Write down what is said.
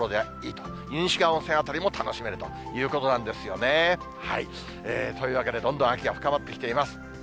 湯西川温泉辺りも楽しめるということなんですよね。というわけでどんどん秋が深まってきています。